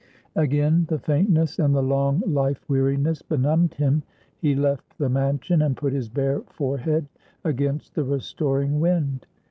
Again the faintness, and the long life weariness benumbed him. He left the mansion, and put his bare forehead against the restoring wind.